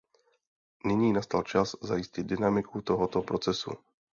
Nyní nastal čas zajistit dynamiku tohoto procesu.